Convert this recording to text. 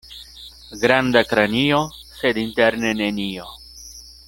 Granda kranio, sed interne nenio.